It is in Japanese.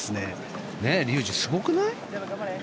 竜二、すごくない？